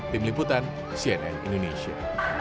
tim liputan cnn indonesia